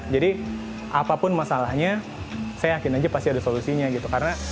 jadi apapun masalahnya saya yakin aja pasti ada solusinya gitu karena